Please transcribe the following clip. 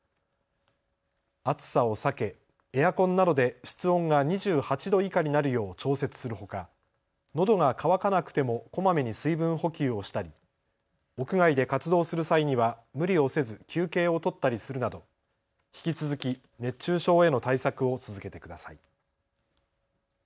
暑さを避けエアコンなどで室温が２８度以下になるよう調節するほか、のどが渇かなくてもこまめに水分補給をしたり、屋外で活動する際には無理をせず休憩を取ったりするなど引き続き熱中症への対策を続けてください。